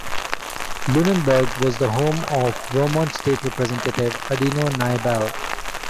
Lunenburg was the home of Vermont State Representative Adino Nye Bell.